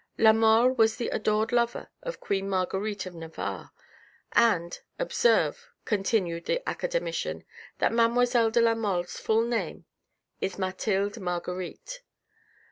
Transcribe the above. La Mole was the adored lover of Queen Marguerite of Navarre and " observe," con tinued the academician, " that mademoiselle de La Mole's full name is Mathilde Marguerite.